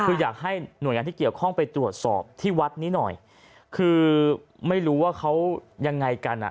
คืออยากให้หน่วยงานที่เกี่ยวข้องไปตรวจสอบที่วัดนี้หน่อยคือไม่รู้ว่าเขายังไงกันอ่ะ